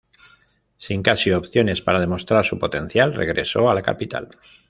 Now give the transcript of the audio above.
Sin casi opciones para demostrar su potencial, regresó a la capital.